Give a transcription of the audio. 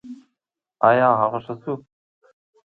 ایا هغه ښه شو؟